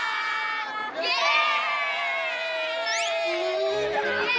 イエーイ！